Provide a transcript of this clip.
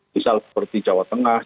misal seperti jawa tenggara